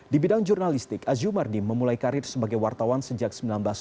di bidang jurnalistik azra mardi memulai karir sebagai wartawan sejak seribu sembilan ratus tujuh puluh sembilan